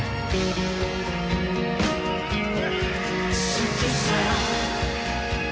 「好きさ」